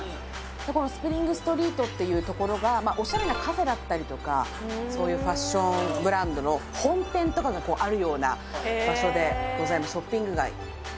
このスプリング・ストリートっていうところがオシャレなカフェだったりとかファッションブランドの本店とかがあるような場所でショッピング街